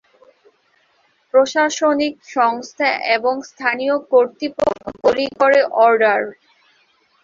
প্রশাসনিক সংস্থা এবং স্থানীয় কর্তৃপক্ষ তৈরি করে অর্ডার।